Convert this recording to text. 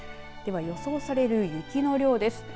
では予想される雪の量です。